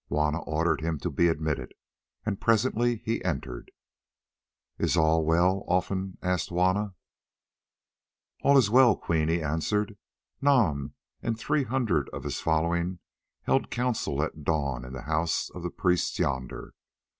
Juanna ordered him to be admitted, and presently he entered. "Is all well, Olfan?" asked Juanna. "All is well, Queen," he answered. "Nam and three hundred of his following held council at dawn in the house of the priests yonder.